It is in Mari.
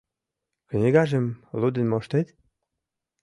Книгажым лудын моштет?